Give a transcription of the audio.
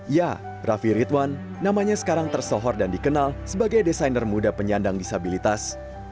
ya raffi ridwan namanya sekarang tersohor dan dikenal sebagai desainer muda penyandang disabilitas